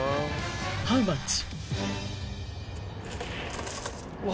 ハウマッチ？